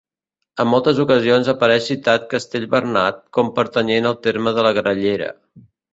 En moltes ocasions apareix citat Castell Bernat com pertanyent al terme de la Grallera.